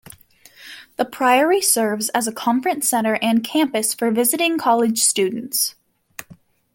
The priory serves as a conference center and campus for visiting college students.